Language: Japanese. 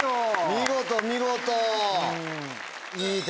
見事見事。